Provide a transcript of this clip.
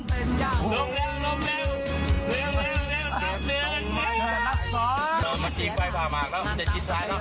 เรามาจะจี๊คไวไฟมากแล้วเด็ดจิบซ้ายเนอะ